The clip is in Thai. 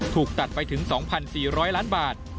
ถูกตัดไปถึง๒๔๐๐ล้านบาท